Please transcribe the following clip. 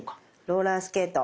ローラースケート。